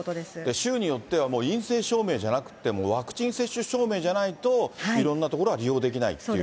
州によっては陰性証明じゃなくて、ワクチン接種証明じゃないと、いろんな所が利用できないっていう。